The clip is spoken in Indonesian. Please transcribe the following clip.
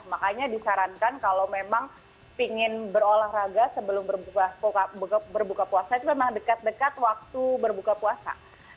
makanya disarankan kalau memang ingin berolahraga sebelum berbuka puasa itu memang dekat dekat waktu berbuka puasa